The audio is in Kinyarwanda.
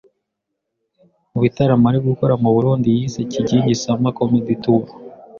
Mu bitaramo ari gukora mu Burundi yise 'Kigingi summer comedy tour'